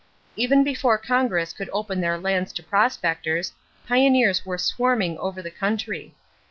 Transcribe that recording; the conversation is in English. Even before Congress could open their lands to prospectors, pioneers were swarming over the country.